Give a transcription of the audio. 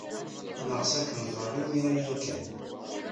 Neɣs ad ken-nẓer imir-a ya kan.